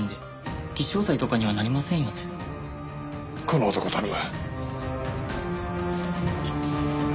この男を頼む。